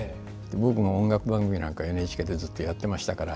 僕も音楽番組なんかをＮＨＫでずっとやってましたから。